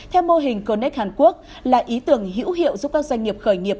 theo mô hình connect hàn quốc là ý tưởng hữu hiệu giúp các doanh nghiệp khởi nghiệp